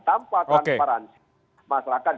tanpa transparansi masyarakat